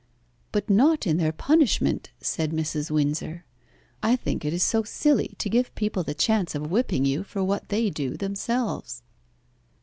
"But not in their punishment," said Mrs. Windsor. "I think it is so silly to give people the chance of whipping you for what they do themselves."